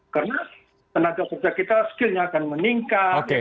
karena tenaga pekerja kita skillnya akan meningkat